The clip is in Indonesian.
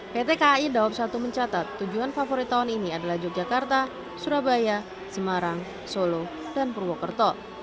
pt kai dawab satu mencatat tujuan favorit tahun ini adalah yogyakarta surabaya semarang solo dan purwokerto